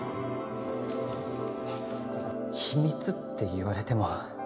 「秘密」って言われても